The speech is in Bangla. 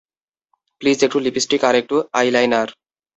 প্লিজ, একটু লিপিস্টিক, আর একটু আই লাইনার।